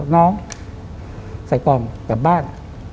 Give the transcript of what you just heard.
น้องใส่กล่องกลับบ้าน